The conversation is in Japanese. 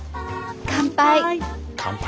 乾杯！